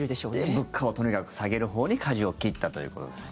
で、物価をとにかく下げるほうにかじを切ったということで。